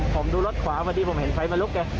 ผมดูรถขวาพอดีผมเห็นไฟมันลุกแก